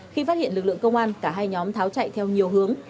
khi phát hiện lực lượng công an cả hai nhóm tháo chạy theo nhiều hướng